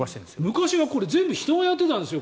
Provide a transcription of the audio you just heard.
昔はこれ全部人がやっていたんですよ。